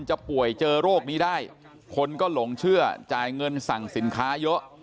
จะป่วยเจอโรคนี้ได้คนก็หลงเชื่อจ่ายเงินสั่งสินค้าเยอะ